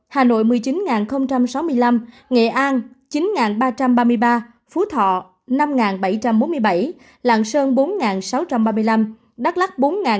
hà nội một mươi chín sáu mươi năm nghệ an chín ba trăm ba mươi ba phú thọ năm bảy trăm bốn mươi bảy lạng sơn bốn sáu trăm ba mươi năm đắk lắc bốn năm trăm chín mươi năm